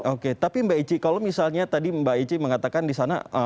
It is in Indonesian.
oke tapi mbak ici kalau misalnya tadi mbak ici mengatakan di sana